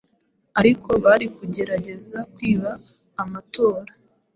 ariko bari kugerageza kwiba amatora,